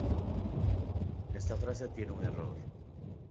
Iuan mach tlamon ixpoliuiskej iksemi.